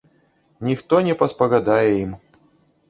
Ніхто не паспагадае ім.